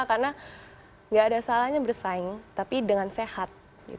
karena tidak ada salahnya bersaing tapi dengan sehat